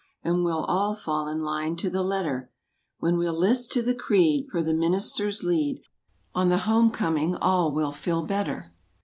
And we'll all fall in line to the letter; When we'll list to the creed per the minister's lead— On the home coming all will feel better.